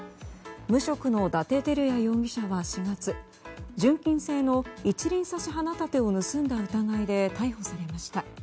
無職の伊達昭也容疑者は４月純金製の一輪挿し、花立てを盗んだ疑いで逮捕されました。